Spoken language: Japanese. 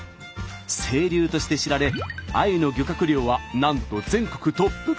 清流として知られあゆの漁獲量はなんと全国トップクラス。